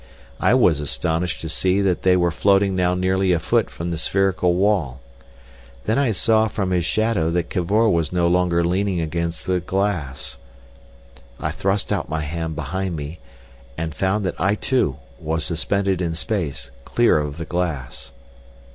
I was astonished to see that they were floating now nearly a foot from the spherical wall. Then I saw from his shadow that Cavor was no longer leaning against the glass. I thrust out my hand behind me, and found that I too was suspended in space, clear of the glass.